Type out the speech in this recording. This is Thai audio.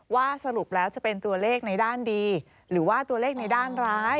สรุปแล้วจะเป็นตัวเลขในด้านดีหรือว่าตัวเลขในด้านร้าย